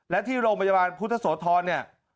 และที่โรงพยาบาลพุทธโสธรเนี่ย